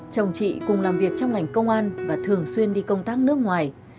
chồng chị cùng làm việc trong ngành công an và thường xuyên đi công tác nước ngoài